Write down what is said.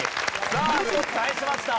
さあ１つ返しました。